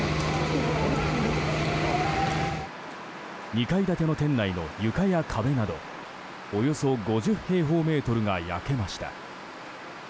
２階建ての店内の床や壁などおよそ５０平方メートルが焼けました。